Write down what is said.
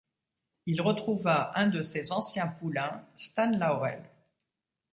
Il y retrouva un de ses anciens poulains, Stan Laurel.